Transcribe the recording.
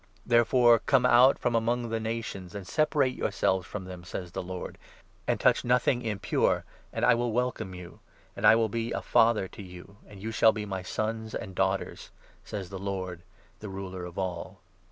Therefore " Come out from among the nations, 17 And separate yourselves from them," says the Lord, "And touch nothing impure ; And I will welcome you ; And I will be a father to you, 18 And you shall be my sons and daughters^' Says the Lord, the Ruler of all.'